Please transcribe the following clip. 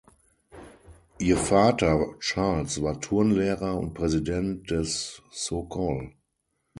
Ihr Vater Charles war Turnlehrer und Präsident des Sokol.